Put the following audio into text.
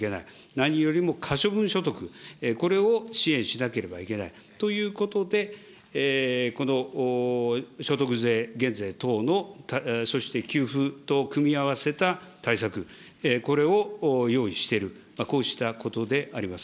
何よりも可処分所得、これを支援しなければいけないということで、この所得税減税等の、そして給付と組み合わせた対策、これを用意している、こうしたことであります。